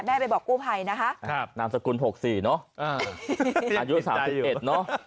แม่ไปบอกกู้ภัยนะฮะครับนามสกุลหกสี่เนาะอ่าอายุสามสิบเอ็ดเนาะ